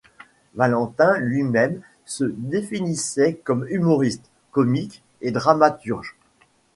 Valentin lui-même se définissait comme humoriste, comique et dramaturge.